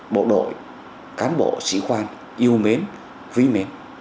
bộ đội cán bộ sĩ quan yêu mến quý mến